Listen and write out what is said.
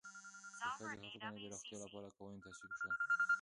د ښځو حقوقو د پراختیا لپاره قوانین تصویب شول.